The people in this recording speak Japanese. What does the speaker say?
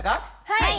はい！